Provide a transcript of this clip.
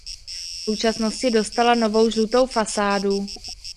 V současnosti dostala novou žlutou fasádu.